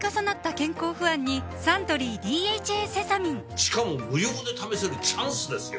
しかも無料で試せるチャンスですよ